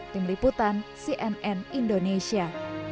tim liputan cnn indonesia